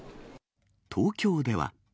東京では。